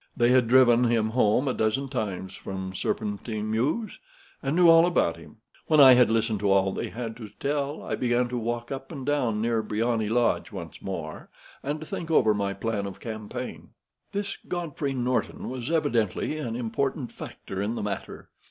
They had driven him home a dozen times from Serpentine Mews, and knew all about him. When I had listened to all that they had to tell, I began to walk up and down near Briony Lodge once more, and to think over my plan of campaign. "This Godfrey Norton was evidently an important factor in the matter.